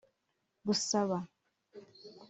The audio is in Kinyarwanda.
Gusaba